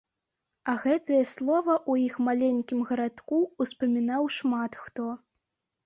А гэтае слова ў іх маленькім гарадку ўспамінаў шмат хто.